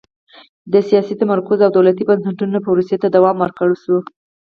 د سیاسي تمرکز او دولتي بنسټونو پروسې ته دوام ورکړل شوه.